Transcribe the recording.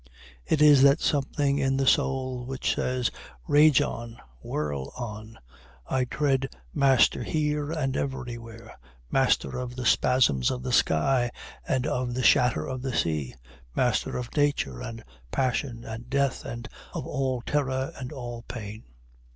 It is that something in the soul which says, Rage on, whirl on, I tread master here and everywhere Master of the spasms of the sky and of the shatter of the sea, Master of nature and passion and death, and of all terror and all pain.